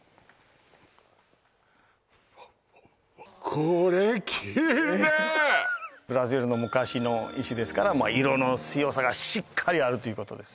これ綺麗ブラジルの昔の石ですから色の強さがしっかりあるということです